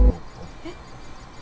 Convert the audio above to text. えっ？